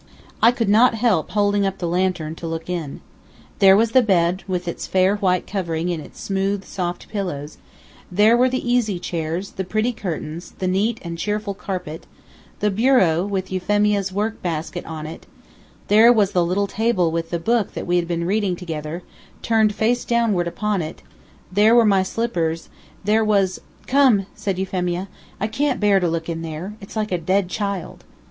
I could not help holding up the lantern to look in. There was the bed, with its fair white covering and its smooth, soft pillows; there were the easy chairs, the pretty curtains, the neat and cheerful carpet, the bureau, with Euphemia's work basket on it; there was the little table with the book that we had been reading together, turned face downward upon it; there were my slippers; there was "Come!" said Euphemia, "I can't bear to look in there. It's like a dead child."